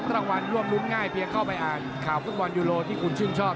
รางวัลร่วมรุ้นง่ายเพียงเข้าไปอ่านข่าวฟุตบอลยูโรที่คุณชื่นชอบ